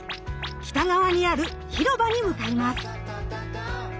北側にある広場に向かいます。